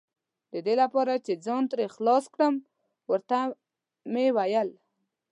د دې لپاره چې ځان ترې خلاص کړم، ور ته مې وویل.